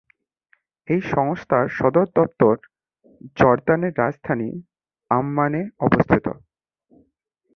এই সংস্থার সদর দপ্তর জর্দানের রাজধানী আম্মানে অবস্থিত।